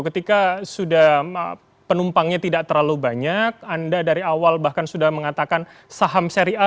ketika sudah penumpangnya tidak terlalu banyak anda dari awal bahkan sudah mengatakan saham seri a